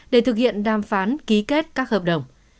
để thực hiện đàm phán ký kết các hợp đồng